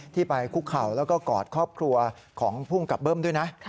ที่ไปคุกเข่าแล้วก็กอดครอบครัวของภูมิกับเบิ้มด้วยนะ